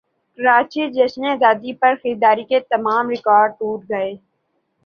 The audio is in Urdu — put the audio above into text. کراچی جشن زادی پرخریداری کے تمام ریکارڈٹوٹ گئے